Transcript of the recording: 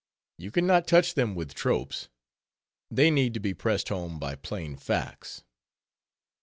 You can not touch them with tropes. They need to be pressed home by plain facts.